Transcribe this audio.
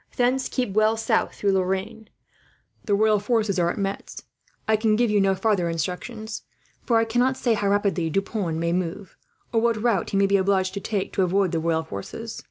Thence keep well south through Lorraine. The royal forces are at Metz. I can give you no farther instructions; for I cannot say how rapidly Deux Ponts may move, or what route he may be obliged to take, to avoid the royal forces.